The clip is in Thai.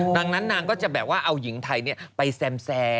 ดังนั้นนางก็จะเอาหญิงไทยไปแสม